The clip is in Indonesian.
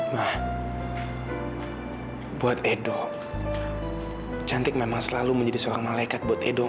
ma buat edo cantik memang selalu menjadi suara malaikat buat edo ma